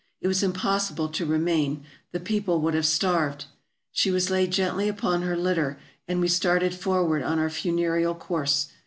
It was impossible to remain; the people would have starved. She was laid gently upon her litter, and we started forward on our funereal course.